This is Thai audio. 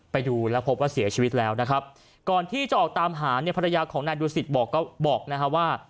ไปดูแล้วพบว่าเสียชีวิตแล้วนะครับก่อนที่จะออกตามหาเนี่ยภรรยาของนายดูสิตบอกก็บอกนะฮะว่า